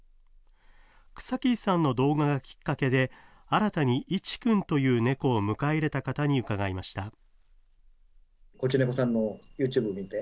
草切さんの動画がきっかけで、新たにいちくんという猫を迎え入れた方に伺いました。